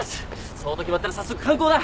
そうと決まったら早速観光だ！